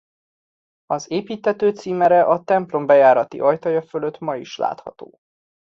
Az építtető címere a templom bejárati ajtaja fölött ma is látható.